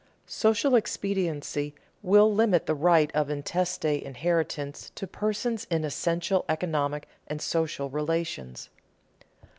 _Social expediency will limit the right of intestate inheritance to persons in essential economic and social relations.